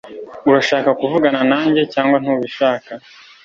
Urashaka kuvugana nanjye cyangwa ntubishaka